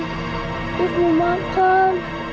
aku mau makan